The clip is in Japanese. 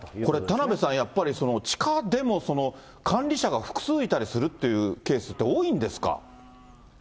これ、田邉さん、地下でも管理者が複数いたりするケースって、多いんですか。